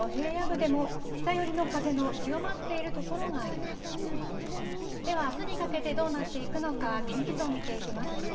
ではあすにかけてどうなっていくのか、天気図を見ていきます。